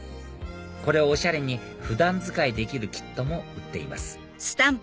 これをおしゃれに普段使いできるキットも売っています